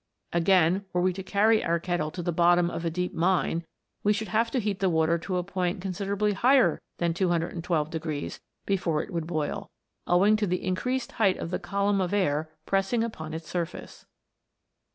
Again, were we to carry our kettle to the bottom of a deep mine, we should have to heat the water to a point considerably higher than 212 before it would boil, owing to the increased height of the column of air pressing upon its surface.